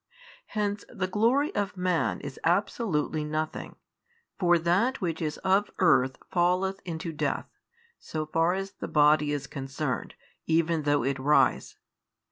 Hence the glory of man is absolutely nothing, for that which is of earth falleth into death, so far as the body is concerned, even though it rise.